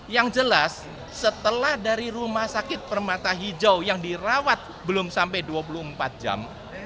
yang jelas setelah dari rumah sakit permata hijau yang dirawat belum sampai dua puluh empat jam